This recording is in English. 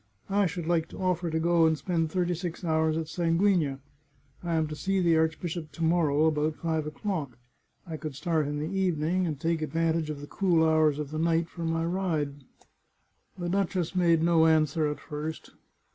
I should like to offer to go and spend thirty six hours at Sanguigna. I am to see the archbishop to morrow, about five o'clock. I could start in the evening, and take ad vantage of the cool hours of the night for my ride." The duchess made no answer at first.